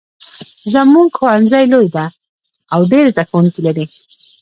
زمونږ ښوونځی لوی ده او ډېر زده کوونکي لري